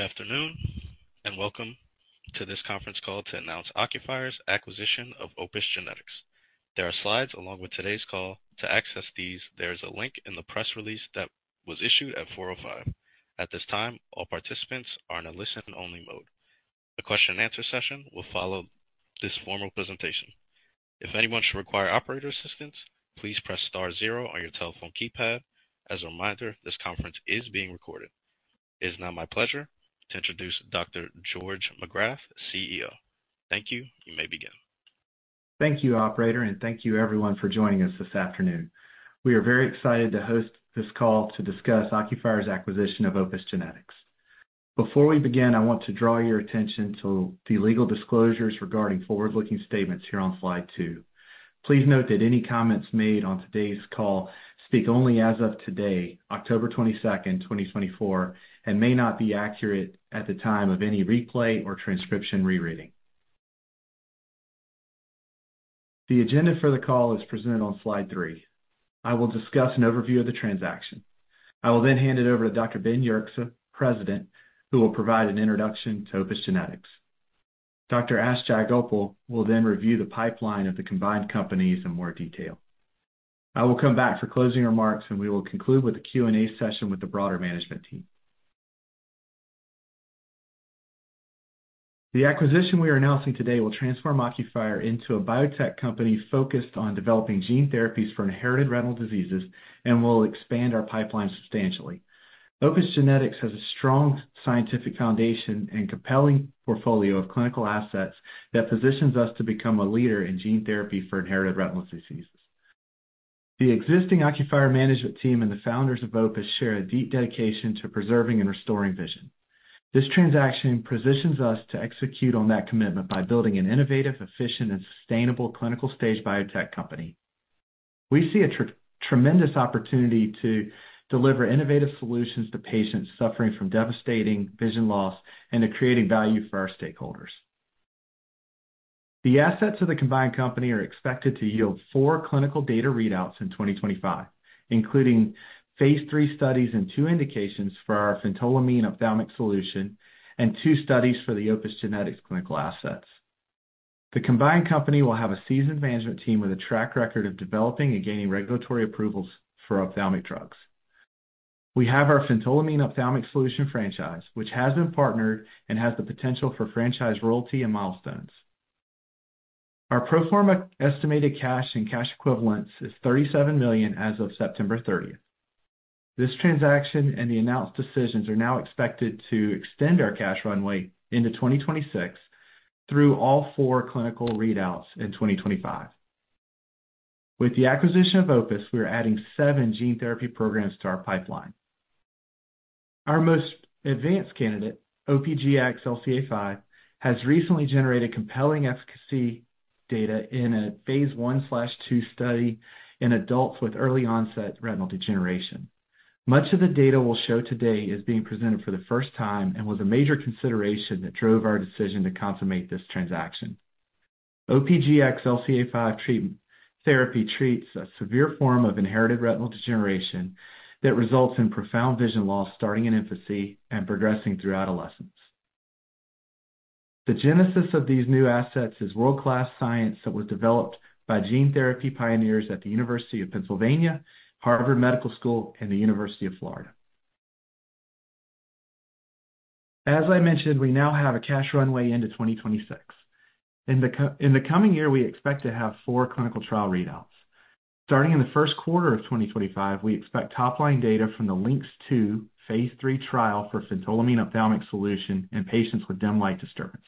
Good afternoon, and welcome to this conference call to announce Ocuphire's acquisition of Opus Genetics. There are slides along with today's call. To access these, there is a link in the press release that was issued at 4:05. At this time, all participants are in a listen-only mode. The question and answer session will follow this formal presentation. If anyone should require operator assistance, please press star zero on your telephone keypad. As a reminder, this conference is being recorded. It is now my pleasure to introduce Dr. George Magrath, CEO. Thank you. You may begin. Thank you, operator, and thank you everyone for joining us this afternoon. We are very excited to host this call to discuss Ocuphire's acquisition of Opus Genetics. Before we begin, I want to draw your attention to the legal disclosures regarding forward-looking statements here on slide two. Please note that any comments made on today's call speak only as of today, October 22nd, 2024, and may not be accurate at the time of any replay or transcription rereading. The agenda for the call is presented on slide three. I will discuss an overview of the transaction. I will then hand it over to Dr. Ben Yerxa, President, who will provide an introduction to Opus Genetics. Dr. Ash Jayagopal will then review the pipeline of the combined companies in more detail. I will come back for closing remarks, and we will conclude with a Q&A session with the broader management team. The acquisition we are announcing today will transform Ocuphire into a biotech company focused on developing gene therapies for inherited retinal diseases and will expand our pipeline substantially. Opus Genetics has a strong scientific foundation and compelling portfolio of clinical assets that positions us to become a leader in gene therapy for inherited retinal diseases. The existing Ocuphire management team and the founders of Opus share a deep dedication to preserving and restoring vision. This transaction positions us to execute on that commitment by building an innovative, efficient, and sustainable clinical-stage biotech company. We see a tremendous opportunity to deliver innovative solutions to patients suffering from devastating vision loss and to creating value for our stakeholders. The assets of the combined company are expected to yield four clinical data readouts in 2025, including phase III studies and two indications for our phentolamine ophthalmic solution and two studies for the Opus Genetics clinical assets. The combined company will have a seasoned management team with a track record of developing and gaining regulatory approvals for ophthalmic drugs. We have our phentolamine ophthalmic solution franchise, which has been partnered and has the potential for franchise royalty and milestones. Our pro forma estimated cash and cash equivalents is $37 million as of September 30. This transaction and the announced decisions are now expected to extend our cash runway into 2026 through all four clinical readouts in 2025. With the acquisition of Opus, we are adding seven gene therapy programs to our pipeline. Our most advanced candidate, OPGx-LCA5, has recently generated compelling efficacy data in a phase I/II study in adults with early-onset retinal degeneration. Much of the data we'll show today is being presented for the first time and was a major consideration that drove our decision to consummate this transaction. OPGx-LCA5 therapy treats a severe form of inherited retinal degeneration that results in profound vision loss starting in infancy and progressing through adolescence. The genesis of these new assets is world-class science that was developed by gene therapy pioneers at the University of Pennsylvania, Harvard Medical School, and the University of Florida. As I mentioned, we now have a cash runway into 2026. In the coming year, we expect to have four clinical trial readouts. Starting in the first quarter of 2025, we expect top-line data from the LYNX-2 phase III trial for phentolamine ophthalmic solution in patients with dim light disturbances.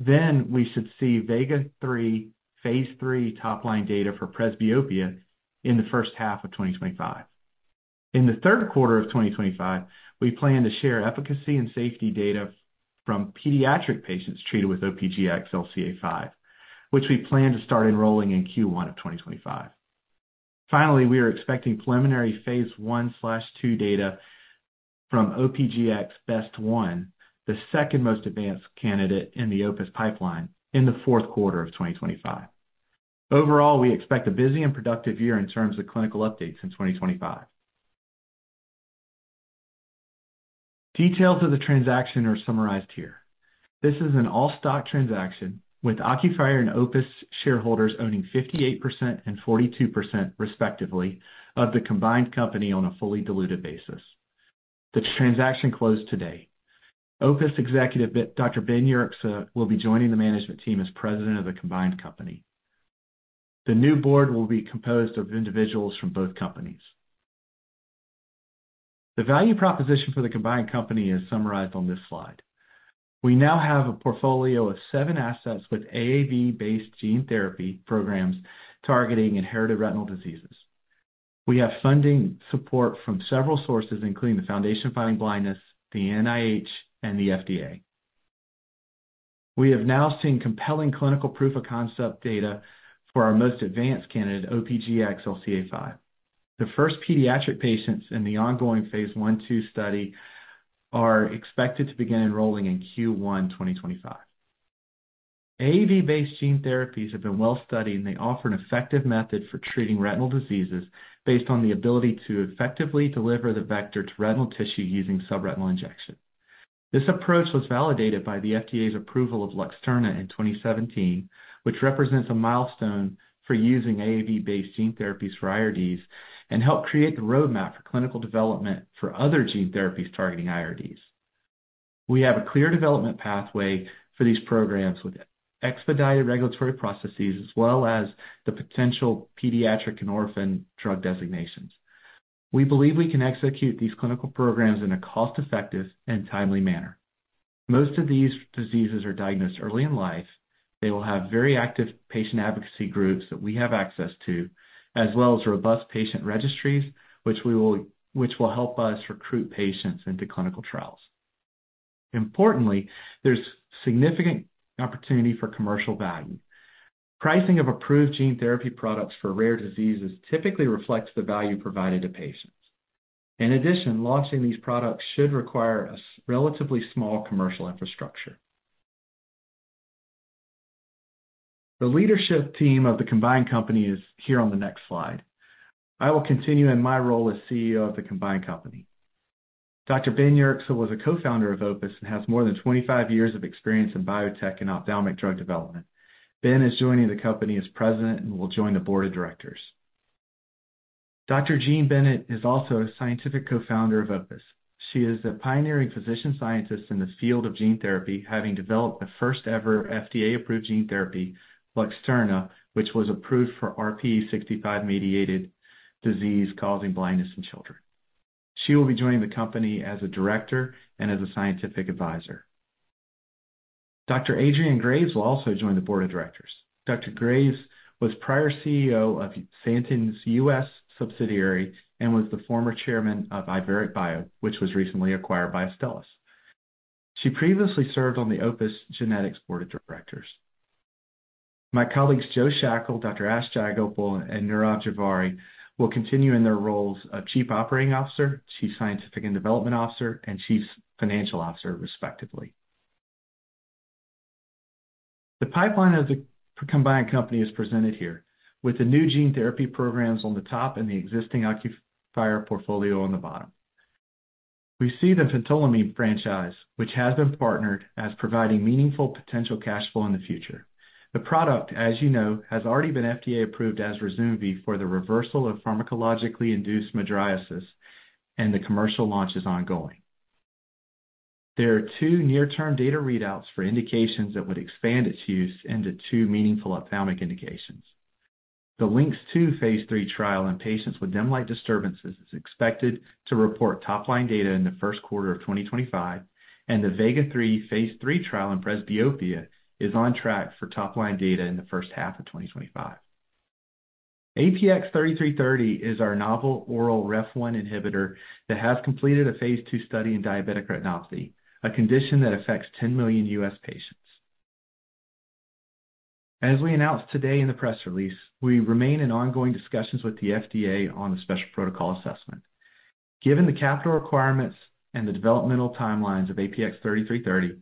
We should see VEGA-3 phase III top-line data for presbyopia in the first half of 2025. In the third quarter of 2025, we plan to share efficacy and safety data from pediatric patients treated with OPGx-LCA5, which we plan to start enrolling in Q1 of 2025. Finally, we are expecting preliminary phase I/II data from OPGx-BEST1, the second most advanced candidate in the Opus pipeline, in the fourth quarter of 2025. Overall, we expect a busy and productive year in terms of clinical updates in 2025. Details of the transaction are summarized here. This is an all-stock transaction with Ocuphire and Opus shareholders owning 58% and 42%, respectively, of the combined company on a fully diluted basis. The transaction closed today. Opus executive Dr. Ben Yerxa will be joining the management team as president of the combined company. The new board will be composed of individuals from both companies. The value proposition for the combined company is summarized on this slide. We now have a portfolio of seven assets with AAV-based gene therapy programs targeting inherited retinal diseases. We have funding support from several sources, including the Foundation Fighting Blindness, the NIH, and the FDA. We have now seen compelling clinical proof of concept data for our most advanced candidate, OPGx-LCA5. The first pediatric patients in the ongoing phase I/II study are expected to begin enrolling in Q1 2025. AAV-based gene therapies have been well studied, and they offer an effective method for treating retinal diseases based on the ability to effectively deliver the vector to retinal tissue using subretinal injection. This approach was validated by the FDA's approval of Luxturna in 2017, which represents a milestone for using AAV-based gene therapies for IRDs and helped create the roadmap for clinical development for other gene therapies targeting IRDs. We have a clear development pathway for these programs with expedited regulatory processes as well as the potential pediatric and orphan drug designations. We believe we can execute these clinical programs in a cost-effective and timely manner. Most of these diseases are diagnosed early in life. They will have very active patient advocacy groups that we have access to, as well as robust patient registries, which will help us recruit patients into clinical trials. Importantly, there's significant opportunity for commercial value. Pricing of approved gene therapy products for rare diseases typically reflects the value provided to patients. In addition, launching these products should require a relatively small commercial infrastructure. The leadership team of the combined company is here on the next slide. I will continue in my role as CEO of the combined company. Dr. Ben Yerxa was a co-founder of Opus and has more than 25 years of experience in biotech and ophthalmic drug development. Ben is joining the company as president and will join the board of directors. Dr. Jean Bennett is also a scientific co-founder of Opus. She is a pioneering physician scientist in the field of gene therapy, having developed the first-ever FDA-approved gene therapy, Luxturna, which was approved for RPE65-mediated disease causing blindness in children. She will be joining the company as a director and as a scientific advisor. Dr. Adrienne Graves will also join the board of directors. Dr. Graves was prior CEO of Santen's U.S. subsidiary and was the former chairman of Iveric Bio, which was recently acquired by Astellas. She previously served on the Opus Genetics board of directors. My colleagues, Joe Schachle, Dr. Ash Jayagopal, and Nirav Jhaveri, will continue in their roles of chief operating officer, chief scientific and development officer, and chief financial officer, respectively. The pipeline of the combined company is presented here, with the new gene therapy programs on the top and the existing Ocuphire portfolio on the bottom. We see the phentolamine franchise, which has been partnered, as providing meaningful potential cash flow in the future. The product, as you know, has already been FDA approved as Ryzumvi for the reversal of pharmacologically induced mydriasis, and the commercial launch is ongoing. There are two near-term data readouts for indications that would expand its use into two meaningful ophthalmic indications. The LYNX-2 phase III trial in patients with dim light disturbances is expected to report top-line data in the first quarter of 2025, and the VEGA-3 phase III trial in presbyopia is on track for top-line data in the first half of 2025. APX3330 is our novel oral Ref-1 inhibitor that has completed a phase II study in diabetic retinopathy, a condition that affects 10 million U.S. patients. As we announced today in the press release, we remain in ongoing discussions with the FDA on a special protocol assessment. Given the capital requirements and the developmental timelines of APX3330,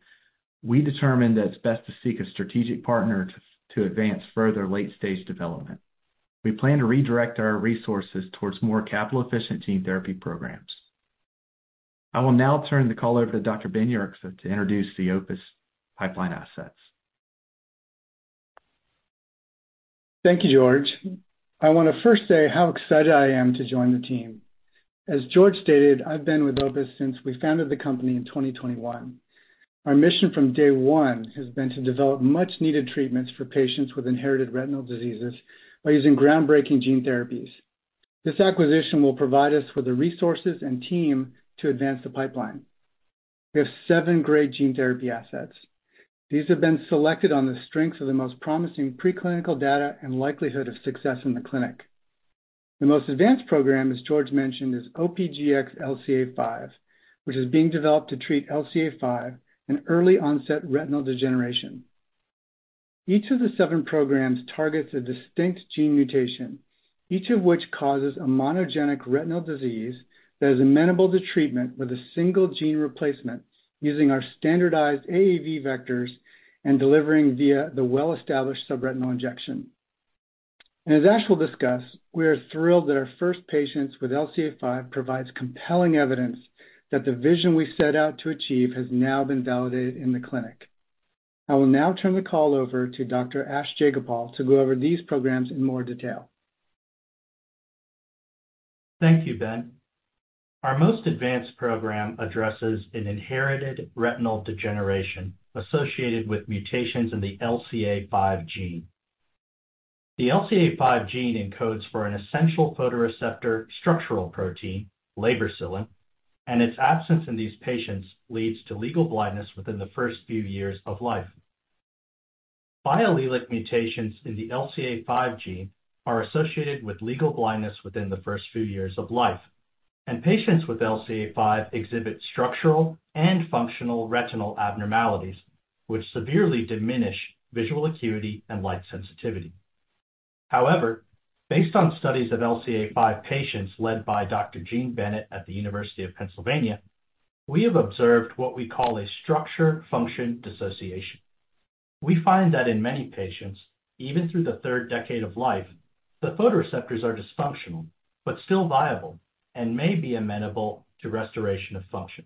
we determined that it's best to seek a strategic partner to advance further late-stage development. We plan to redirect our resources towards more capital-efficient gene therapy programs. I will now turn the call over to Dr. Ben Yerxa to introduce the Opus pipeline assets. Thank you, George. I want to first say how excited I am to join the team. As George stated, I've been with Opus since we founded the company in 2021. Our mission from day one has been to develop much-needed treatments for patients with inherited retinal diseases by using groundbreaking gene therapies. This acquisition will provide us with the resources and team to advance the pipeline. We have seven great gene therapy assets. These have been selected on the strength of the most promising preclinical data and likelihood of success in the clinic. The most advanced program, as George mentioned, is OPGx-LCA5, which is being developed to treat LCA5, an early onset retinal degeneration. Each of the seven programs targets a distinct gene mutation, each of which causes a monogenic retinal disease that is amenable to treatment with a single gene replacement using our standardized AAV vectors and delivering via the well-established subretinal injection. As Ash will discuss, we are thrilled that our first patients with LCA5 provides compelling evidence that the vision we set out to achieve has now been validated in the clinic. I will now turn the call over to Dr. Ash Jayagopal to go over these programs in more detail. Thank you, Ben. Our most advanced program addresses an inherited retinal degeneration associated with mutations in the LCA5 gene. The LCA5 gene encodes for an essential photoreceptor structural protein, lebercilin, and its absence in these patients leads to legal blindness within the first few years of life. Biallelic mutations in the LCA5 gene are associated with legal blindness within the first few years of life. Patients with LCA5 exhibit structural and functional retinal abnormalities, which severely diminish visual acuity and light sensitivity. However, based on studies of LCA5 patients led by Dr. Jean Bennett at the University of Pennsylvania, we have observed what we call a structure-function dissociation. We find that in many patients, even through the third decade of life, the photoreceptors are dysfunctional but still viable and may be amenable to restoration of function.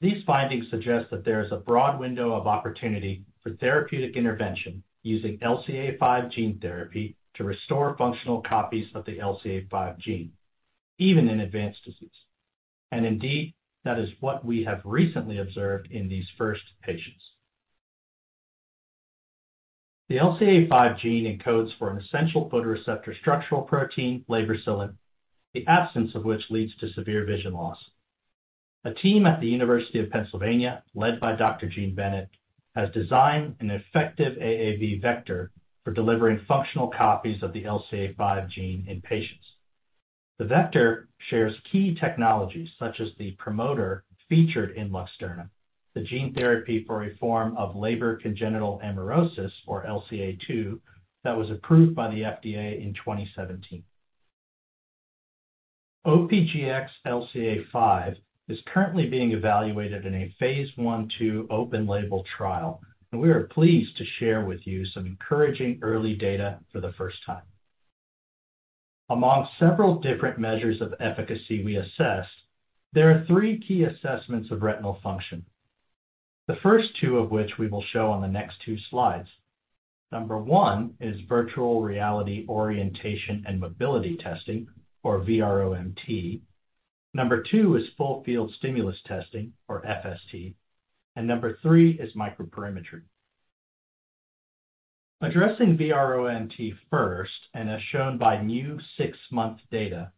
These findings suggest that there is a broad window of opportunity for therapeutic intervention using LCA5 gene therapy to restore functional copies of the LCA5 gene, even in advanced disease. Indeed, that is what we have recently observed in these first patients. The LCA5 gene encodes for an essential photoreceptor structural protein, lebercilin, the absence of which leads to severe vision loss. A team at the University of Pennsylvania, led by Dr. Jean Bennett, has designed an effective AAV vector for delivering functional copies of the LCA5 gene in patients. The vector shares key technologies such as the promoter featured in Luxturna, the gene therapy for a form of Leber congenital amaurosis, or LCA2, that was approved by the FDA in 2017. OPGx-LCA5 is currently being evaluated in a phase I/II open-label trial, and we are pleased to share with you some encouraging early data for the first time. Among several different measures of efficacy we assessed, there are three key assessments of retinal function. The first two of which we will show on the next two slides. Number one is virtual reality orientation and mobility testing, or VROMT. Number two is full field stimulus testing, or FST, and number three is microperimetry. Addressing VROMT first, and as shown by new six-month data,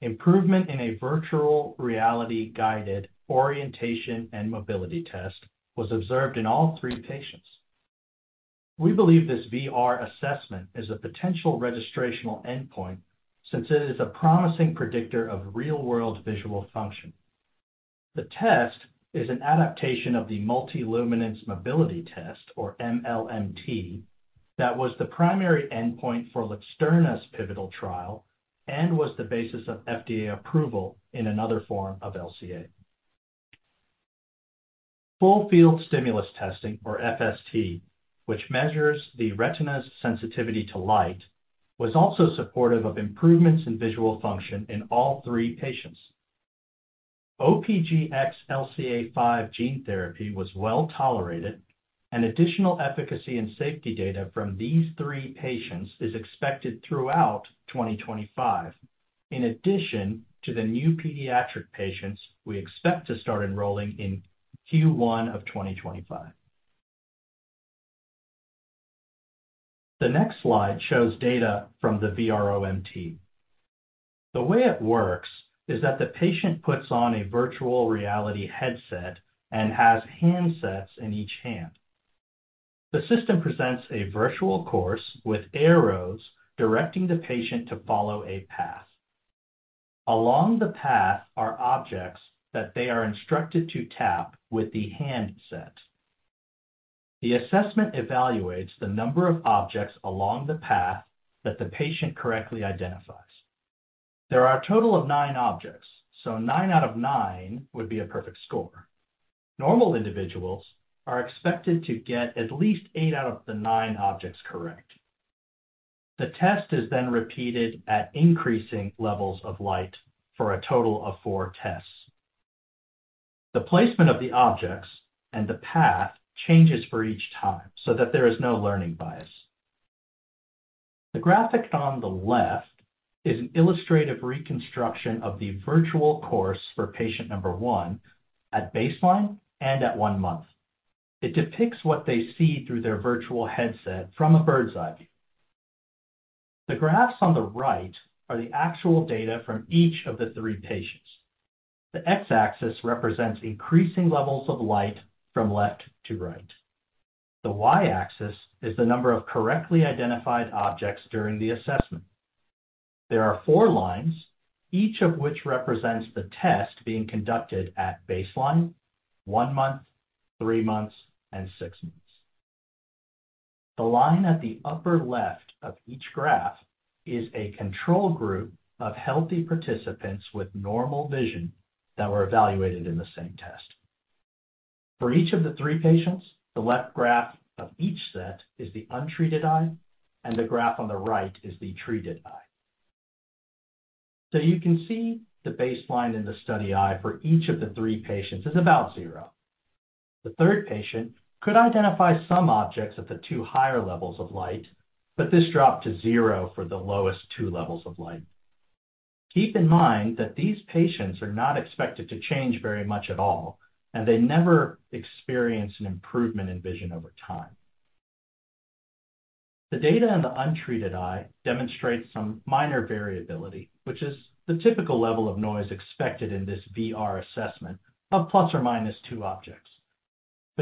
improvement in a virtual reality-guided orientation and mobility test was observed in all three patients. We believe this VR assessment is a potential registrational endpoint since it is a promising predictor of real-world visual function. The test is an adaptation of the multi-luminance mobility test, or MLMT, that was the primary endpoint for Luxturna's pivotal trial and was the basis of FDA approval in another form of LCA. Full field stimulus testing, or FST, which measures the retina's sensitivity to light, was also supportive of improvements in visual function in all three patients. OPGx-LCA5 gene therapy was well-tolerated, and additional efficacy and safety data from these three patients is expected throughout 2025, in addition to the new pediatric patients we expect to start enrolling in Q1 of 2025. The next slide shows data from the VROMT. The way it works is that the patient puts on a virtual reality headset and has handsets in each hand. The system presents a virtual course with arrows directing the patient to follow a path. Along the path are objects that they are instructed to tap with the handset. The assessment evaluates the number of objects along the path that the patient correctly identifies. There are a total of nine objects, so nine out of nine would be a perfect score. Normal individuals are expected to get at least eight out of the nine objects correct. The test is then repeated at increasing levels of light for a total of four tests. The placement of the objects and the path changes for each time so that there is no learning bias. The graphic on the left is an illustrative reconstruction of the virtual course for patient number one at baseline and at one month. It depicts what they see through their virtual headset from a bird's-eye view. The graphs on the right are the actual data from each of the three patients. The X-axis represents increasing levels of light from left to right. The Y-axis is the number of correctly identified objects during the assessment. There are four lines, each of which represents the test being conducted at baseline, one month, three months, and six months. The line at the upper left of each graph is a control group of healthy participants with normal vision that were evaluated in the same test. For each of the three patients, the left graph of each set is the untreated eye, and the graph on the right is the treated eye. You can see the baseline in the study eye for each of the three patients is about zero. The third patient could identify some objects at the two higher levels of light, but this dropped to zero for the lowest two levels of light. Keep in mind that these patients are not expected to change very much at all, and they never experience an improvement in vision over time. The data in the untreated eye demonstrates some minor variability, which is the typical level of noise expected in this VR assessment of ±2 objects.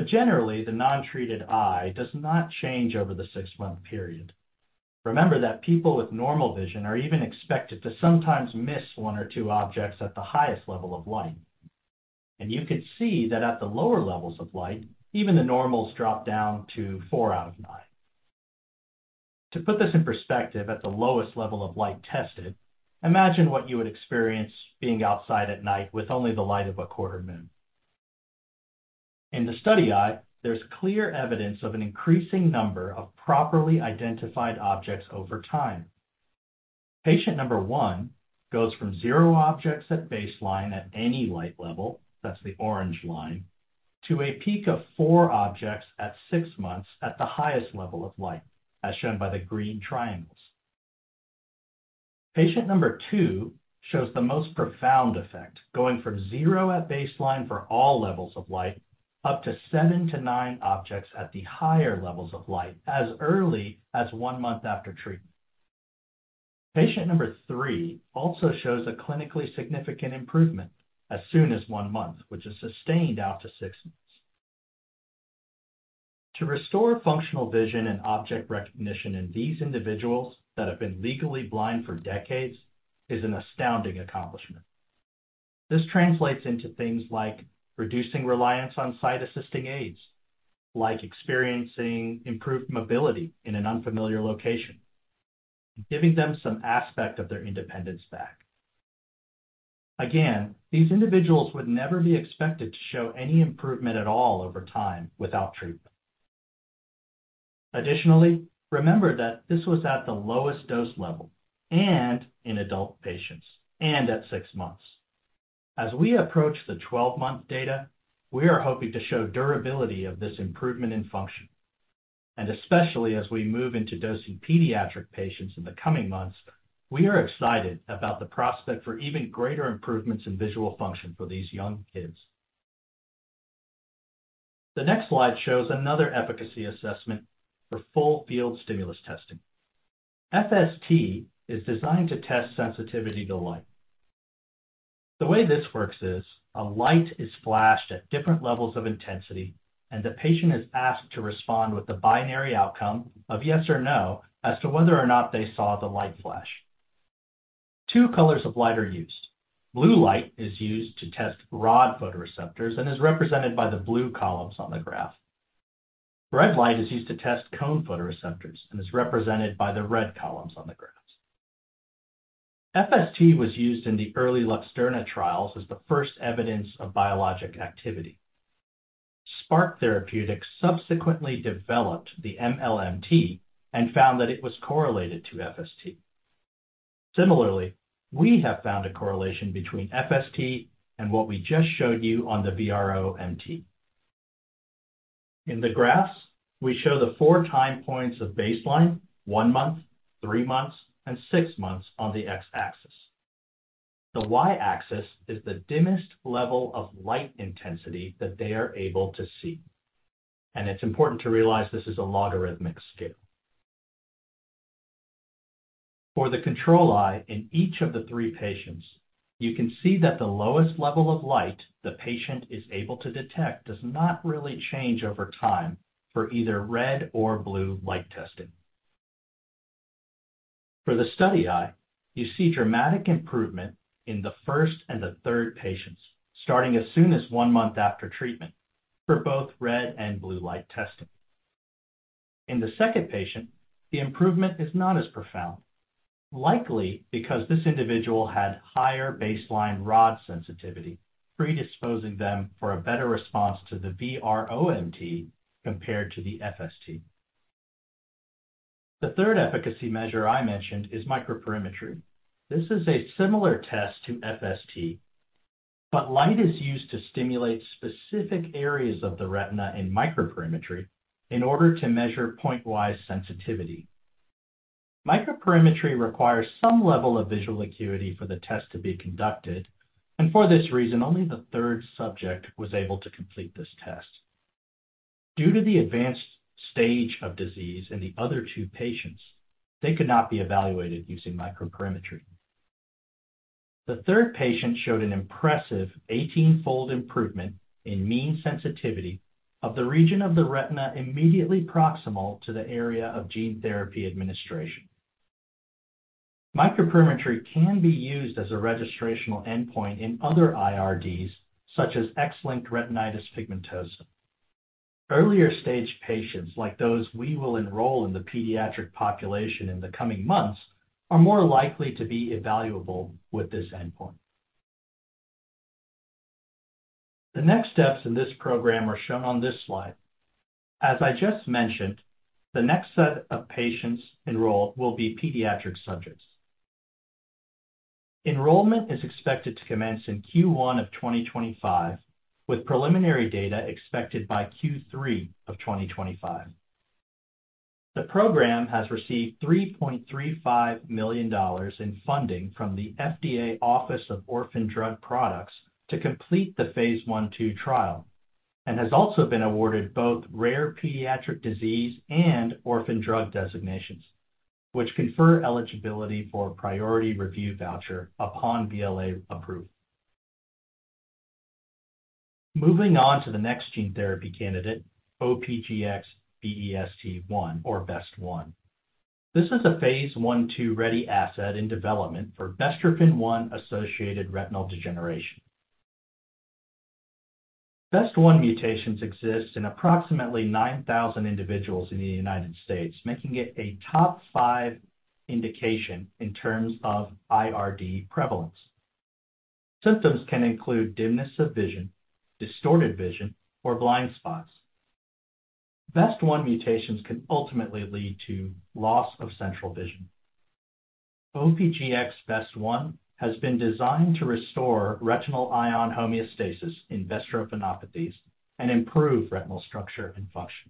Generally, the non-treated eye does not change over the six-month period. Remember that people with normal vision are even expected to sometimes miss one or two objects at the highest level of light. You could see that at the lower levels of light, even the normals drop down to four out of nine. To put this in perspective at the lowest level of light tested, imagine what you would experience being outside at night with only the light of a quarter moon. In the study eye, there's clear evidence of an increasing number of properly identified objects over time. Patient number one goes from zero objects at baseline at any light level, that's the orange line, to a peak of four objects at six months at the highest level of light, as shown by the green triangles. Patient number two shows the most profound effect, going from zero at baseline for all levels of light, up to seven to nine objects at the higher levels of light as early as one month after treatment. Patient number three also shows a clinically significant improvement as soon as one month, which is sustained out to six months. To restore functional vision and object recognition in these individuals that have been legally blind for decades is an astounding accomplishment. This translates into things like reducing reliance on sight assisting aids, like experiencing improved mobility in an unfamiliar location, giving them some aspect of their independence back. Again, these individuals would never be expected to show any improvement at all over time without treatment. Additionally, remember that this was at the lowest dose level, and in adult patients, and at six months. As we approach the 12-month data, we are hoping to show durability of this improvement in function. Especially as we move into dosing pediatric patients in the coming months, we are excited about the prospect for even greater improvements in visual function for these young kids. The next slide shows another efficacy assessment for full field stimulus testing. FST is designed to test sensitivity to light. The way this works is a light is flashed at different levels of intensity, and the patient is asked to respond with the binary outcome of yes or no as to whether or not they saw the light flash. Two colors of light are used. Blue light is used to test rod photoreceptors and is represented by the blue columns on the graph. Red light is used to test cone photoreceptors and is represented by the red columns on the graphs. FST was used in the early Luxturna trials as the first evidence of biologic activity. Spark Therapeutics subsequently developed the MLMT and found that it was correlated to FST. Similarly, we have found a correlation between FST and what we just showed you on the VROMT. In the graphs, we show the four time points of baseline, one month, three months, and six months on the x-axis. The y-axis is the dimmest level of light intensity that they are able to see. It's important to realize this is a logarithmic scale. For the control eye in each of the three patients, you can see that the lowest level of light the patient is able to detect does not really change over time for either red or blue light testing. For the study eye, you see dramatic improvement in the first and the third patients, starting as soon as one month after treatment for both red and blue light testing. In the second patient, the improvement is not as profound, likely because this individual had higher baseline rod sensitivity, predisposing them for a better response to the VROMT compared to the FST. The third efficacy measure I mentioned is microperimetry. This is a similar test to FST, but light is used to stimulate specific areas of the retina in microperimetry in order to measure pointwise sensitivity. Microperimetry requires some level of visual acuity for the test to be conducted, and for this reason, only the third subject was able to complete this test. Due to the advanced stage of disease in the other two patients, they could not be evaluated using microperimetry. The third patient showed an impressive 18-fold improvement in mean sensitivity of the region of the retina immediately proximal to the area of gene therapy administration. Microperimetry can be used as a registrational endpoint in other IRDs, such as X-linked retinitis pigmentosa. Earlier stage patients, like those we will enroll in the pediatric population in the coming months, are more likely to be evaluable with this endpoint. The next steps in this program are shown on this slide. As I just mentioned, the next set of patients enrolled will be pediatric subjects. Enrollment is expected to commence in Q1 of 2025, with preliminary data expected by Q3 of 2025. The program has received $3.35 million in funding from the FDA Office of Orphan Drug Products to complete the phase I/II trial, and has also been awarded both rare pediatric disease and orphan drug designations, which confer eligibility for a priority review voucher upon BLA approval. Moving on to the next gene therapy candidate, OPGx-BEST1, or BEST1. This is a phase I/II-ready asset in development for bestrophin-1-associated retinal degeneration. BEST1 mutations exist in approximately 9,000 individuals in the United States, making it a top five indication in terms of IRD prevalence. Symptoms can include dimness of vision, distorted vision, or blind spots. BEST1 mutations can ultimately lead to loss of central vision. OPGx-BEST1 has been designed to restore retinal ion homeostasis in bestrophinopathies and improve retinal structure and function.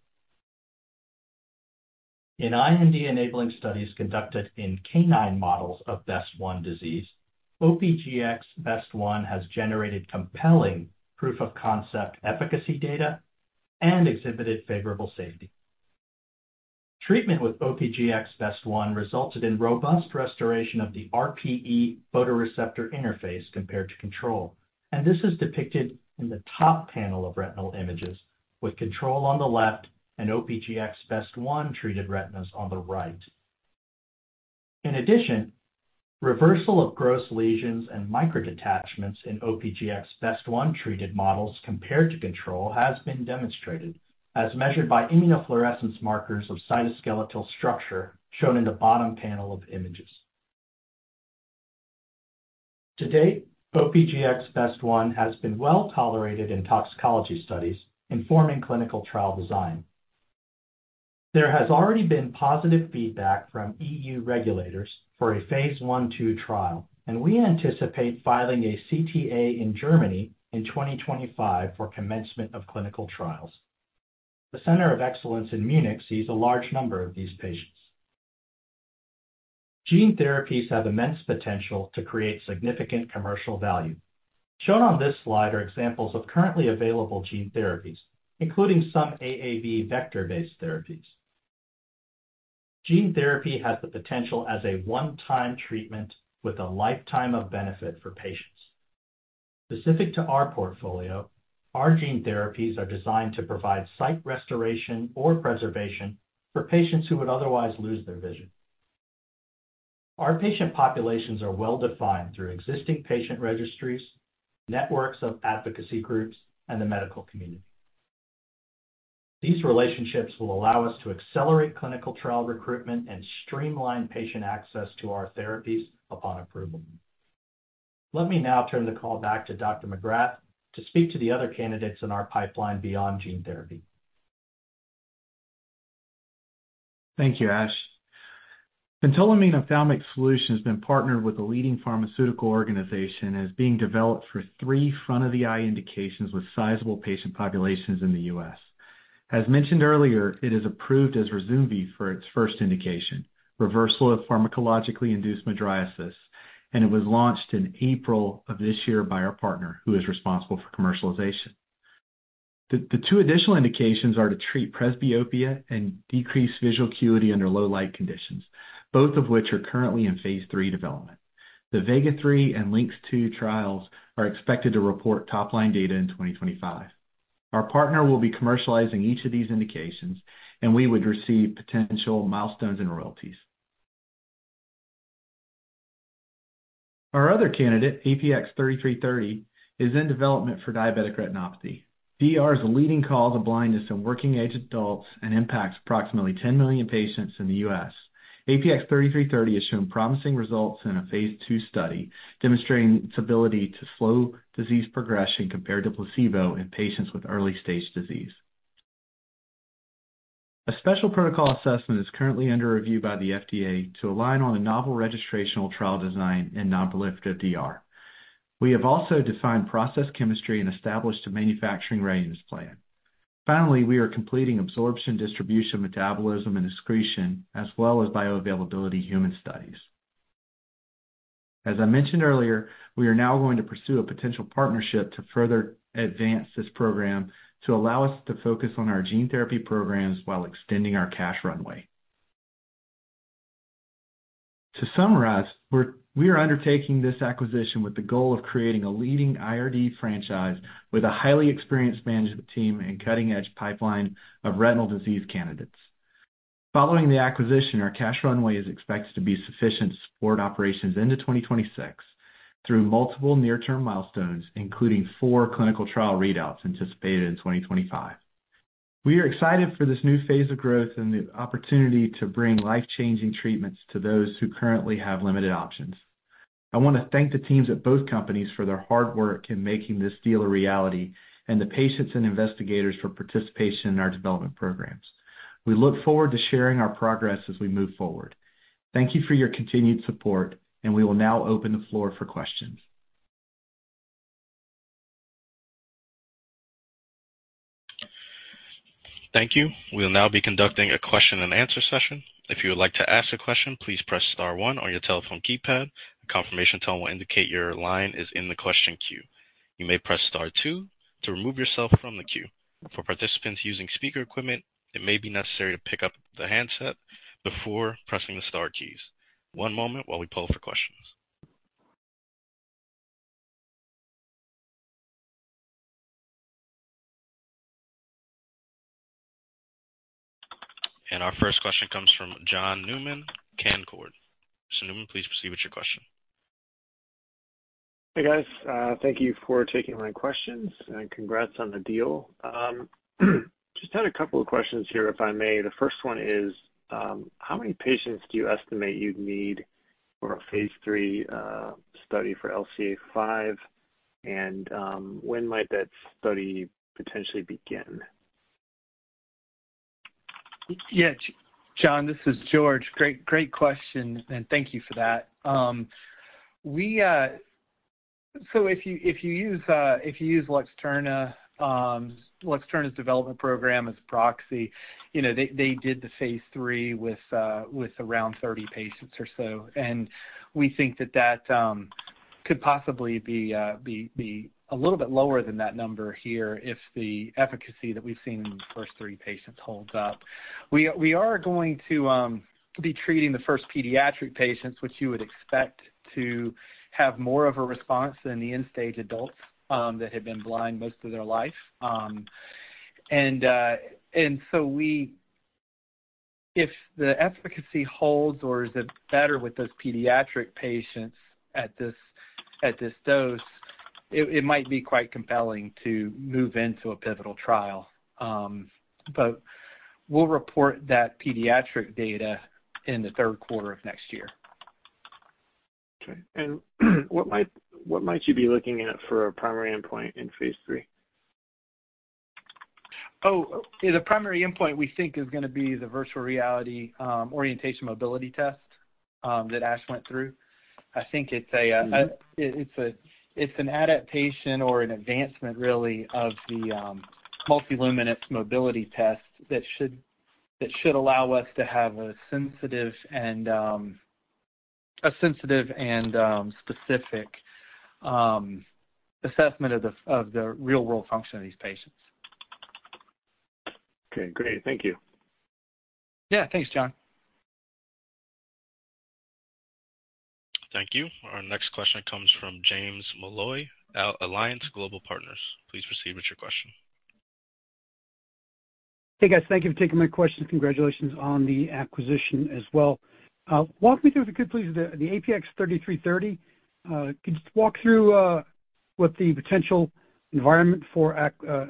In IND-enabling studies conducted in canine models of BEST1 disease, OPGx-BEST1 has generated compelling proof of concept efficacy data and exhibited favorable safety. Treatment with OPGx-BEST1 resulted in robust restoration of the RPE photoreceptor interface compared to control, and this is depicted in the top panel of retinal images, with control on the left and OPGx-BEST1 treated retinas on the right. In addition, reversal of gross lesions and micro detachments in OPGx-BEST1 treated models compared to control has been demonstrated, as measured by immunofluorescence markers of cytoskeletal structure shown in the bottom panel of images. To date, OPGx-BEST1 has been well-tolerated in toxicology studies informing clinical trial design. There has already been positive feedback from E.U. regulators for a phase I/II trial, and we anticipate filing a CTA in Germany in 2025 for commencement of clinical trials. The Center of Excellence in Munich sees a large number of these patients. Gene therapies have immense potential to create significant commercial value. Shown on this slide are examples of currently available gene therapies, including some AAV vector-based therapies. Gene therapy has the potential as a one-time treatment with a lifetime of benefit for patients. Specific to our portfolio, our gene therapies are designed to provide sight restoration or preservation for patients who would otherwise lose their vision. Our patient populations are well-defined through existing patient registries, networks of advocacy groups, and the medical community. These relationships will allow us to accelerate clinical trial recruitment and streamline patient access to our therapies upon approval. Let me now turn the call back to Dr. Magrath to speak to the other candidates in our pipeline beyond gene therapy. Thank you, Ash. Phentolamine ophthalmic solution has been partnered with a leading pharmaceutical organization and is being developed for three front-of-the-eye indications with sizable patient populations in the U.S. As mentioned earlier, it is approved as Ryzumvi for its first indication, reversal of pharmacologically induced mydriasis, and it was launched in April of this year by our partner, who is responsible for commercialization. The two additional indications are to treat presbyopia and dim light visual disturbances, both of which are currently in phase III development. The VEGA-3 and LYNX-2 trials are expected to report top-line data in 2025. Our partner will be commercializing each of these indications, and we would receive potential milestones and royalties. Our other candidate, APX3330, is in development for diabetic retinopathy. DR is a leading cause of blindness in working age adults and impacts approximately 10 million patients in the U.S. APX3330 has shown promising results in a phase II study, demonstrating its ability to slow disease progression compared to placebo in patients with early stage disease. A special protocol assessment is currently under review by the FDA to align on a novel registrational trial design in non-proliferative DR. We have also defined process chemistry and established a manufacturing readiness plan. Finally, we are completing absorption, distribution, metabolism, and excretion, as well as bioavailability human studies. As I mentioned earlier, we are now going to pursue a potential partnership to further advance this program to allow us to focus on our gene therapy programs while extending our cash runway. To summarize, we are undertaking this acquisition with the goal of creating a leading IRD franchise with a highly experienced management team and cutting-edge pipeline of retinal disease candidates. Following the acquisition, our cash runway is expected to be sufficient to support operations into 2026 through multiple near-term milestones, including four clinical trial readouts anticipated in 2025. We are excited for this new phase of growth and the opportunity to bring life-changing treatments to those who currently have limited options. I want to thank the teams at both companies for their hard work in making this deal a reality and the patients and investigators for participation in our development programs. We look forward to sharing our progress as we move forward. Thank you for your continued support, and we will now open the floor for questions. Thank you. We'll now be conducting a question and answer session. If you would like to ask a question, please press star one on your telephone keypad. A confirmation tone will indicate your line is in the question queue. You may press star two to remove yourself from the queue. For participants using speaker equipment, it may be necessary to pick up the handset before pressing the star keys. One moment while we pull for questions. Our first question comes from John Newman, Canaccord. Mr. Newman, please proceed with your question. Hey, guys. Thank you for taking my questions, and congrats on the deal. Just had a couple of questions here, if I may. The first one is, how many patients do you estimate you'd need for a phase III study for LCA5? And when might that study potentially begin? Yeah. John, this is George. Great question, and thank you for that. If you use Luxturna's development program as a proxy, they did the phase III with around 30 patients or so. We think that that could possibly be a little bit lower than that number here if the efficacy that we've seen in the first three patients holds up. We are going to be treating the first pediatric patients, which you would expect to have more of a response than the end-stage adults that have been blind most of their life. If the efficacy holds or is better with those pediatric patients at this dose, it might be quite compelling to move into a pivotal trial. We'll report that pediatric data in the third quarter of next year. Okay. What might you be looking at for a primary endpoint in phase III? Oh, the primary endpoint we think is going to be the virtual reality orientation mobility test that Ash went through. I think it's an adaptation or an advancement really of the multi-luminance mobility test that should allow us to have a sensitive and specific assessment of the real-world function of these patients. Okay, great. Thank you. Yeah. Thanks, John. Thank you. Our next question comes from James Molloy, Alliance Global Partners. Please proceed with your question. Hey, guys. Thank you for taking my question. Congratulations on the acquisition as well. Walk me through, if you could please, the APX3330- could you just walk through what the potential environment for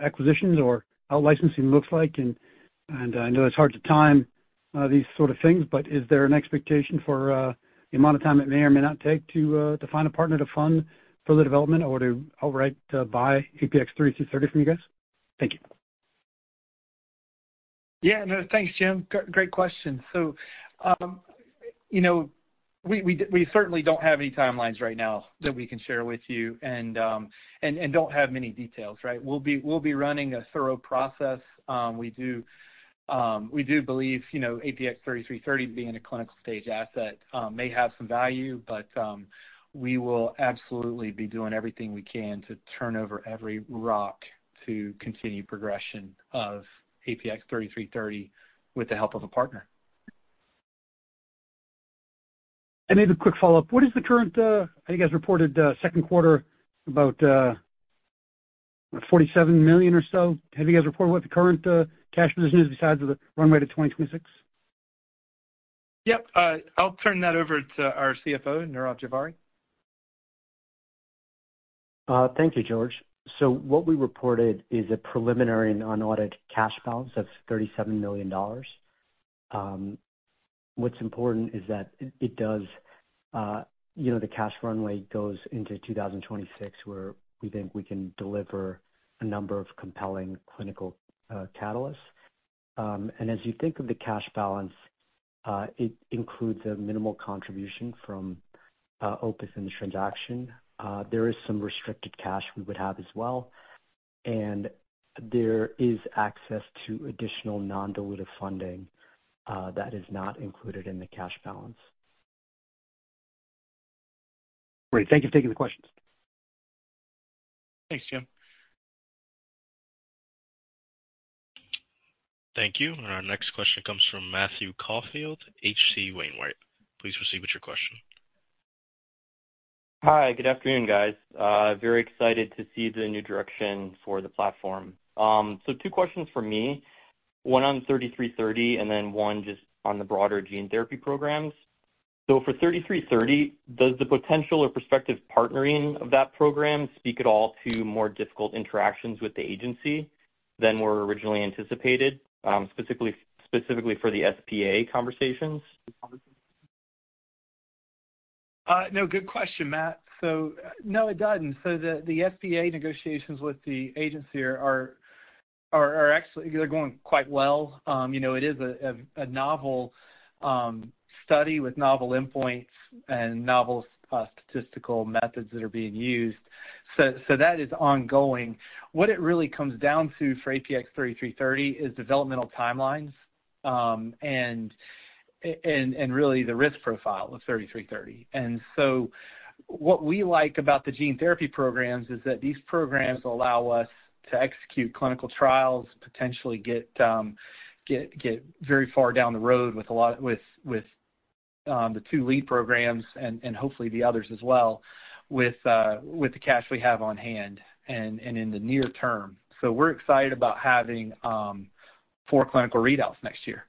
acquisitions or out licensing looks like? I know it's hard to time these sort of things, but is there an expectation for the amount of time it may or may not take to find a partner to fund further development or to outright buy APX3330 from you guys? Thank you. Yeah. No, thanks, Jim. Great question. We certainly don't have any timelines right now that we can share with you, and don't have many details, right? We'll be running a thorough process. We do believe APX3330 being a clinical-stage asset may have some value, but we will absolutely be doing everything we can to turn over every rock to continue progression of APX3330 with the help of a partner. Maybe a quick follow-up. What is the current- I think you guys reported second quarter, about $47 million or so. Have you guys reported what the current cash position is besides the runway to 2026? Yep. I'll turn that over to our CFO, Nirav Jhaveri. Thank you, George. What we reported is a preliminary and unaudited cash balance of $37 million. What's important is that the cash runway goes into 2026, where we think we can deliver a number of compelling clinical catalysts. As you think of the cash balance, it includes a minimal contribution from Opus in the transaction. There is some restricted cash we would have as well, and there is access to additional non-dilutive funding that is not included in the cash balance. Great. Thank you for taking the questions. Thanks, Jim. Thank you. Our next question comes from Matthew Caufield, H.C. Wainwright. Please proceed with your question. Hi. Good afternoon, guys. Very excited to see the new direction for the platform. Two questions from me- one on 3330 and then one just on the broader gene therapy programs. For 3330, does the potential or prospective partnering of that program speak at all to more difficult interactions with the agency than were originally anticipated, specifically for the SPA conversations? No, good question, Matt. No, it doesn't. The SPA negotiations with the agency are actually going quite well. It is a novel study with novel endpoints and novel statistical methods that are being used. That is ongoing. What it really comes down to for APX3330 is developmental timelines, and really the risk profile of 3330. What we like about the gene therapy programs is that these programs allow us to execute clinical trials, potentially get very far down the road with the two lead programs and hopefully the others as well with the cash we have on hand and in the near term. We're excited about having four clinical readouts next year.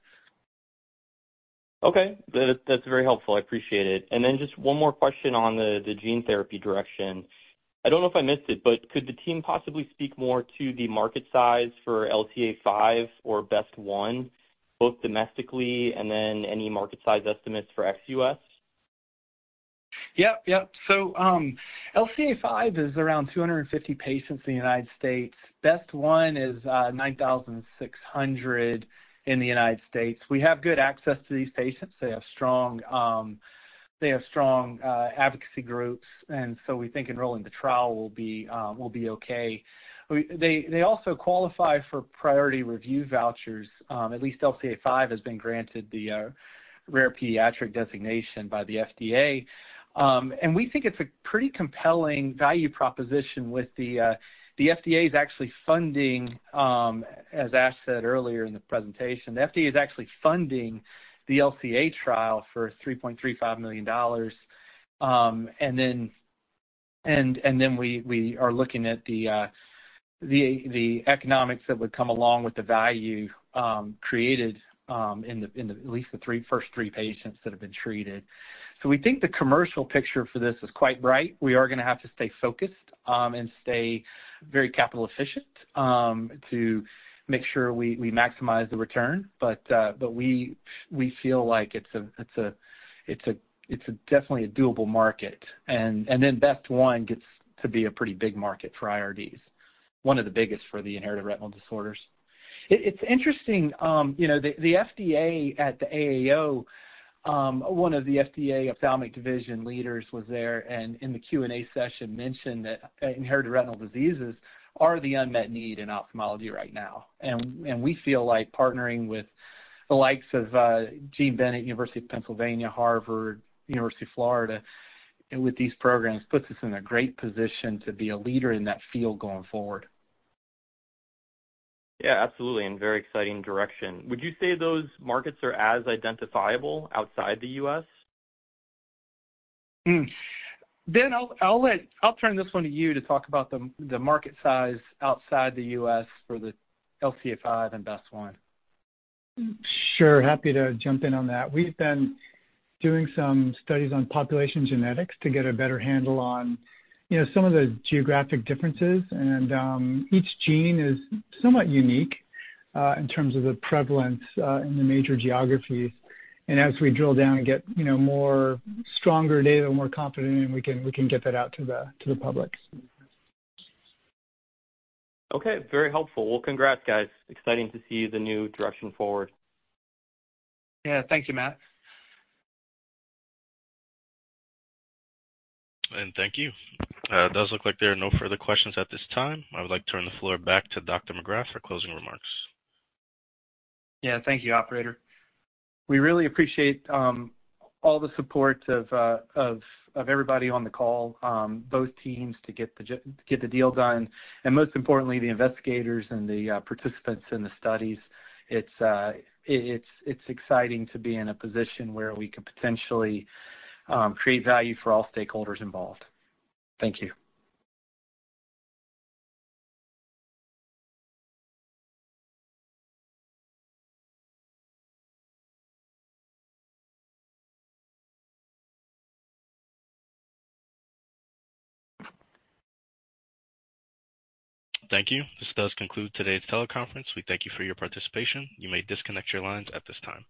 Okay. That's very helpful, I appreciate it. Just one more question on the gene therapy direction. I don't know if I missed it, but could the team possibly speak more to the market size for LCA5 or BEST1, both domestically and then any market size estimates for ex-U.S.? Yep. LCA5 is around 250 patients in the United States. BEST1 is 9,600 in the United States. We have good access to these patients. They have strong advocacy groups, and so we think enrolling the trial will be okay. They also qualify for Priority Review Vouchers. At least LCA5 has been granted the Rare Pediatric Disease Designation by the FDA. We think it's a pretty compelling value proposition with the FDA's actually funding- as Ash said earlier in the presentation, the FDA is actually funding the LCA trial for $3.35 million. We are looking at the economics that would come along with the value created in at least the first three patients that have been treated. We think the commercial picture for this is quite bright. We are going to have to stay focused and stay very capital efficient to make sure we maximize the return. We feel like it's definitely a doable market. Then BEST1 gets to be a pretty big market for IRDs, one of the biggest for the inherited retinal disorders. It's interesting, the FDA at the AAO, one of the FDA ophthalmic division leaders was there, and in the Q&A session mentioned that inherited retinal diseases are the unmet need in ophthalmology right now. We feel like partnering with the likes of Jean Bennett, University of Pennsylvania, Harvard, University of Florida, and with these programs puts us in a great position to be a leader in that field going forward. Yeah, absolutely. Very exciting direction. Would you say those markets are as identifiable, outside the U.S.? Ben, I'll turn this one to you to talk about the market size outside the U.S. for the LCA5 and BEST1. Sure. Happy to jump in on that. We've been doing some studies on population genetics to get a better handle on some of the geographic differences, and each gene is somewhat unique in terms of the prevalence in the major geographies. As we drill down and get more stronger data, more confident, we can get that out to the public. Okay. Very helpful. Well, congrats, guys. Exciting to see the new direction forward. Yeah. Thank you, Matt. Thank you. It does look like there are no further questions at this time. I would like to turn the floor back to Dr. Magrath for closing remarks. Yeah. Thank you, operator. We really appreciate all the support of everybody on the call, both teams to get the deal done, and most importantly, the investigators and the participants in the studies. It's exciting to be in a position where we could potentially create value for all stakeholders involved. Thank you. Thank you. This does conclude today's teleconference. We thank you for your participation. You may disconnect your lines at this time.